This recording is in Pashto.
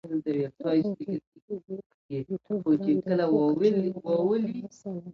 هو کې! بيبيتوب ګران دی خو کچنۍ واله خورا اسانه ده